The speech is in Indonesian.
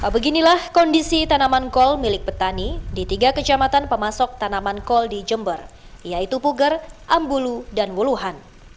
beginilah kondisi tanaman kol milik petani di tiga kecamatan pemasok tanaman kol di jember yaitu puger ambulu dan wuluhan